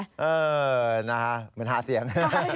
เออนะฮะเหมือนหาเสียง